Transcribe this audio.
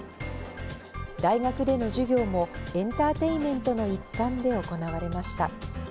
大学での授業も、エンターテインメントの一環で行われました。